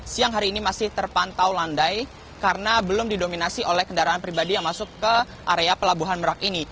siang hari ini masih terpantau landai karena belum didominasi oleh kendaraan pribadi yang masuk ke area pelabuhan merak ini